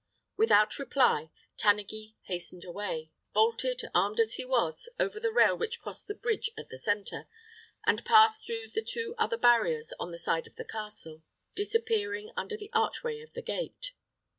Without reply, Tanneguy hastened away, vaulted, armed as he was, over the rail which crossed the bridge at the centre, and passed through the two other barriers on the side of the castle, disappearing under the archway of the gate.